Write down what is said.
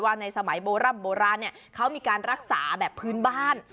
ว่าในสมัยโบร่ัมโบราณเขามีการรักษาแบบพื้นบ้าน